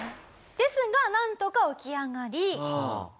ですがなんとか起き上がり。